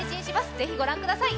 ぜひご覧ください。